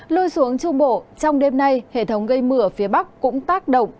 lôi xuống trung bộ trong đêm nay hệ thống gây mưa phía bắc cũng tác động